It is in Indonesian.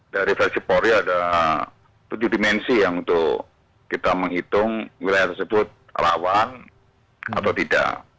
dari versi polri ada tujuh dimensi yang untuk kita menghitung wilayah tersebut rawan atau tidak